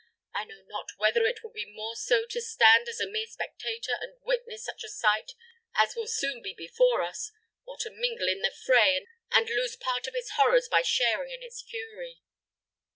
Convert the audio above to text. I know not whether it be more so to stand as a mere spectator, and witness such a sight as will soon be before us, or to mingle in the fray, and lose part of its horrors by sharing in its fury."